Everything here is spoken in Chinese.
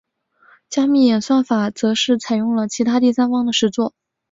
加密演算法则是采用了其他第三方的实作。